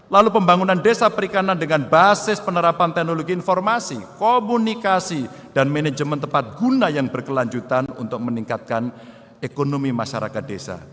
lalu pembangunan desa perikanan dengan basis penerapan teknologi informasi komunikasi dan manajemen tempat guna yang berkelanjutan untuk meningkatkan ekonomi masyarakat desa